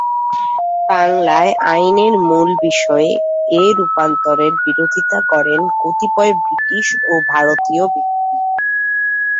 বাংলায় আইনের মূল বিষয়ে এ রূপান্তরের বিরোধিতা করেন কতিপয় ব্রিটিশ ও ভারতীয় ব্যক্তি।